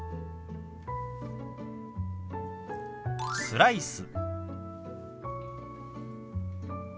「スライス」。